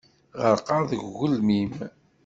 Ɣerqeɣ deg ugelmim.